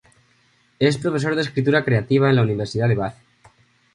Es Profesor de Escritura Creativa en la Universidad de Bath.